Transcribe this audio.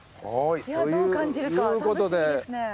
どう感じるか楽しみですね。